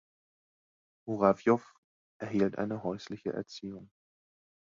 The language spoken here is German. Murawjow erhielt eine häusliche Erziehung.